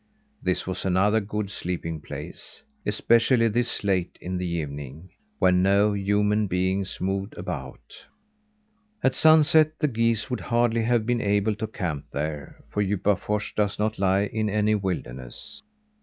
This was another good sleeping place especially this late in the evening, when no human beings moved about. At sunset the geese would hardly have been able to camp there, for Djupafors does not lie in any wilderness.